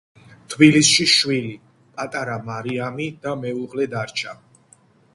თბილისში შვილი, პატარა მარიამი და მეუღლე დარჩა.